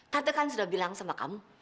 kate kan sudah bilang sama kamu